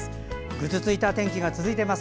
ぐずついた天気が続いています。